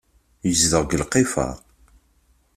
Yezdeɣ deg lqifar.